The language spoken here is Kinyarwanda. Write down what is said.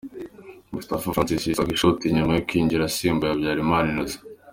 Moustapha Francis yisaka ishoti nyuma yo kwinjira asimbuye Habyarimana Innocent.